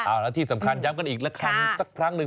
แล้วที่สำคัญย้ำกันอีกละครั้งสักครั้งหนึ่ง